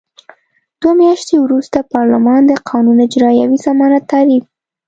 دوه میاشتې وروسته پارلمان د قانون اجرايوي ضمانت تعریف.